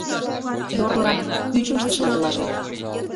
Йорлылан ӱчым ыштышыла толашат.